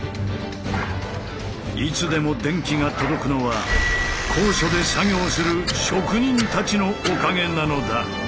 いつでも電気が届くのは高所で作業する職人たちのおかげなのだ。